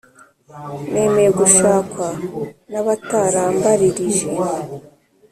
Nemeye gushakwa n abatarambaririje